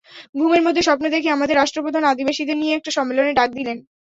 ঘুমের মধ্যে স্বপ্নে দেখি আমাদের রাষ্ট্রপ্রধান আদিবাসীদের নিয়ে একটি সম্মেলনের ডাক দিলেন।